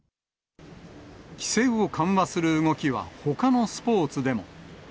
規制を緩和する動きは、ほかのスポーツでも。